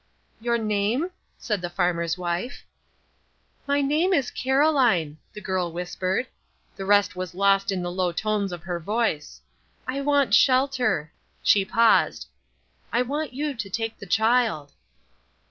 "Your name?" said the farmer's wife. "My name is Caroline," the girl whispered. The rest was lost in the low tones of her voice. "I want shelter," she paused, "I want you to take the child."